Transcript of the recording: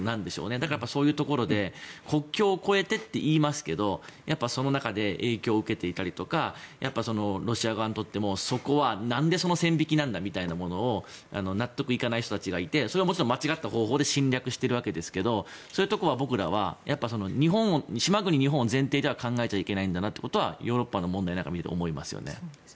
だから、そういうところで国境を越えてって言いますけどその中で影響を受けていたりとかロシア側にとってもそこは、なんでその線引きなんだみたいなものを納得いかない人たちがいてそれはもちろん間違った方法で侵略しているわけですがそういうところは僕らはやっぱり島国・日本を前提に考えてはいけないんだなということはヨーロッパの問題なんかを見ていて思いますよね。